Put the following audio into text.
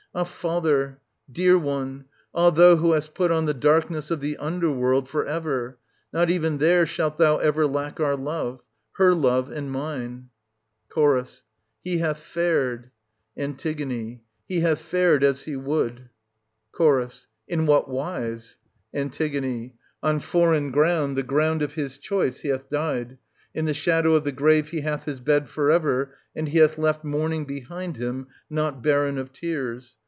Ah, father, dear one, ah thou who hast put on the darkness of the under world for ever, not even there shalt thou ever lack our love, — her love and mine. Ch. He hath fared — An. He hath fared as he would. Ch. In what wise? An. On foreign ground, the ground of his choice, he hath died; in the shadow of the grave he hath his bed for ever ; and he hath left mourning behind him, not barren of tears.